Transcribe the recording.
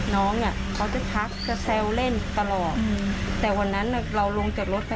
น้องเขาจะทักจะแซวเล่นตลอดแต่วันนั้นเราลงจากรถไป